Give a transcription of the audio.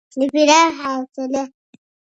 د پراخې حوصلې